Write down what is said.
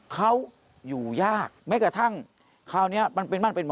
เขาอยู่ยากแม้กระทั่งคราวนี้มันเป็นบ้านเป็นหมอ